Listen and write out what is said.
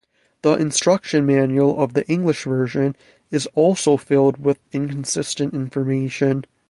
The instruction manual of the English version is also filled with inconsistent information.